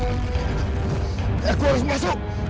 aku harus masuk